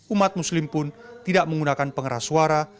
umat muslim pun tidak menggunakan pengeras suara